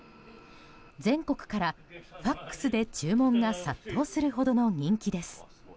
全国から、ＦＡＸで注文が殺到するほどの人気です。